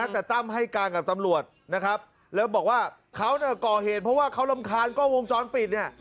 แต่ตั้มให้การกับตำรวจนะครับแล้วบอกว่าเขาก่อเหตุเพราะว่าเขารำคาญกล้องวงจรปิดเนี่ย